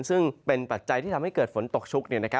ซึ่งเป็นปัจจัยที่ทำให้เกิดฝนตกชุก